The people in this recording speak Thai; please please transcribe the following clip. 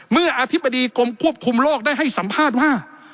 อธิบดีกรมควบคุมโรคได้ให้สัมภาษณ์ว่า